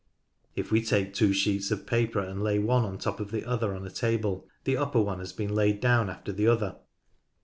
If we take two sheets of paper, and lay one on the top of the other on a table, the upper one has been laid down after the other.